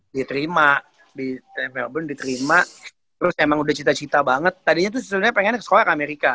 diterima di melbourne diterima terus emang udah cita cita banget tadinya tuh sebenernya pengennya ke sekolah amerika